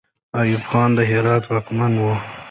ایوب خان د هرات واکمن وو.